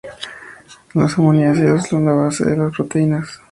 Los aminoácidos son la base de las proteínas.